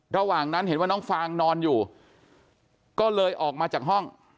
ระหว่างนั้นเห็นว่าน้องฟางนอนอยู่ก็เลยออกมาจากห้อง